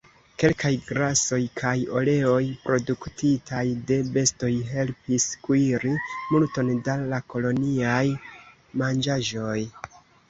Kelkaj grasoj kaj oleoj produktitaj de bestoj helpis kuiri multon da la koloniaj manĝaĵoj.